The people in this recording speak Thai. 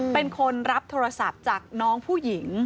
เป็นคนรับโทรศัพท์จากน้องผู้หญิง